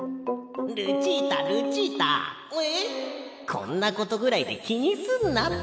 こんなことぐらいできにすんなって。